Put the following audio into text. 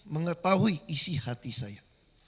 mengetahui isi hati saya